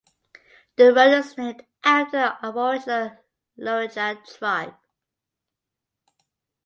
The road is named after the Aboriginal Luritja tribe.